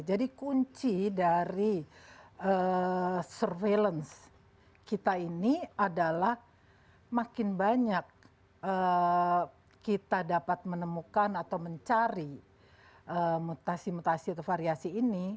jadi kunci dari surveillance kita ini adalah makin banyak kita dapat menemukan atau mencari mutasi mutasi atau variasi ini